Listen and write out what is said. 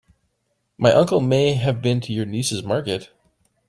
My uncle may have been to your niece's market.